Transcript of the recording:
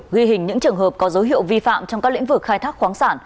ghi hình những trường hợp có dấu hiệu vi phạm trong các lĩnh vực khai thác khoáng sản